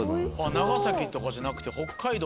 長崎とかじゃなくて北海道の。